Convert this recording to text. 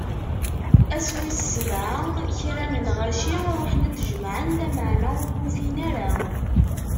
Ass wis sebɛa, kra n lɣaci ṛuḥen ad d-jemɛen, lameɛna ur n-ufin ara.